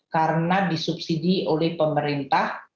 karena disubsidi oleh pemerintah